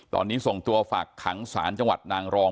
ตอนนี้ส่งตัวฝากขังศาลจังหวัดนางรอง